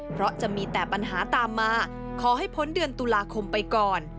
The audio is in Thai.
เพราะจะมีแต่ปัญหาตามมาขอให้พ้นเดือนตุลาคมไปก่อน